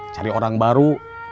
cari orang baru